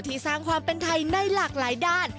สร้างความเป็นไทยในหลากหลายด้าน